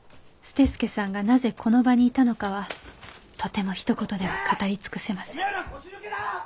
捨助さんがなぜこの場にいたのかはとてもひと言では語り尽くせません